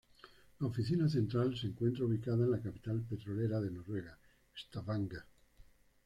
La oficina central se encuentra ubicada en la capital petrolera de Noruega, Stavanger.